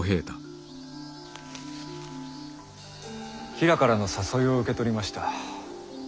吉良からの誘いを受け取りました。